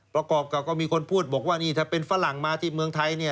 ประกอบก็มีคนพูดบอกว่าถ้าเป็นฝรั่งมาที่เมืองไทย